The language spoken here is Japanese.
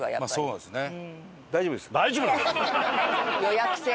そうなんですよね。